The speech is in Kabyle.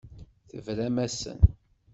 Tebram-asen.